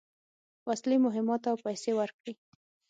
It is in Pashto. وسلې، مهمات او پیسې ورکړې.